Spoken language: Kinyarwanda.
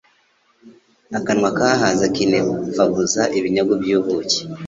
Akanwa kahaze kinemfaguza ibinyagu by’ubuki